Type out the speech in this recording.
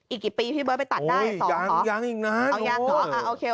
อีกกี่ปีพี่เบิ้ลไปตัดได้สองของเหรออย่างงั้นโอเค